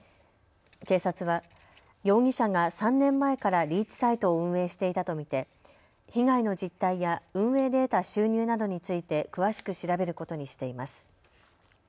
警察は容疑者が３年前からリーチサイトを運営していたと見て、被害の実態や運営で得た収入などについて詳しく調べることにしています。